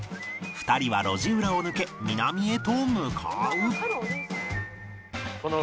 ２人は路地裏を抜け南へと向かう